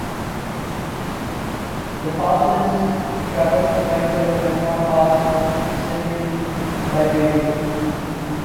The pass is traversed by the Guanella Pass Scenic Byway.